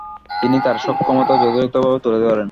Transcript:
তিনি তার সক্ষমতা যথাযথভাবে তুলে ধরেন।